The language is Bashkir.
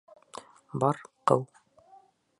Бар, ҡыу!